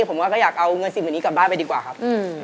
ผมว่าก็อยากเอาเงินสิ่งแบบนี้กลับบ้านไปดีกว่าครับ